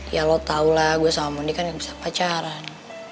ya lo tau lah gue sama mony kan gak bisa pacaran